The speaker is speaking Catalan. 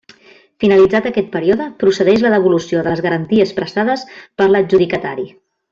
Finalitzat aquest període, procedeix la devolució de les garanties prestades per l'adjudicatari.